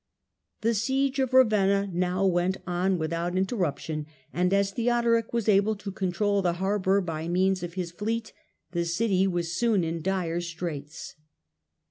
The siege of Ravenna now went on without inter ruption, and as Theodoric was able to control the harbour by means of his fleet the city was soon in dire straits.